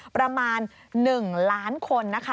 ประมาณ๑ล้านคนนะคะ